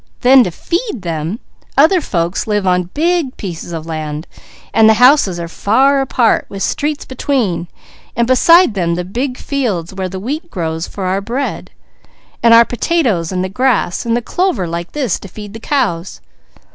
Then to feed them, other folks live on big pieces of land; the houses are far apart, with streets between, and beside them the big fields where the wheat grows for our bread, and our potatoes, and the grass, and the clover like this to feed the cows.